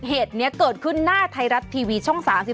เหตุนี้เกิดขึ้นหน้าไทยรัฐทีวีช่อง๓๒